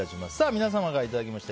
皆様からいただきました